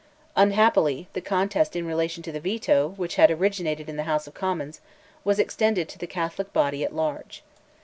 Unhappily, the contest in relation to the Veto, which had originated in the House of Commons, was extended to the Catholic body at large.